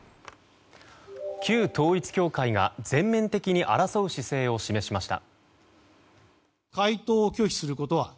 旧統一教会が全面的に争う姿勢を示しました。